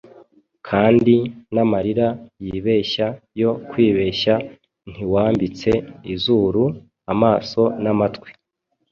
Kandi n'amarira yibeshya yo kwibeshya Ntiwambitse izuru, Amaso, n'amatwi: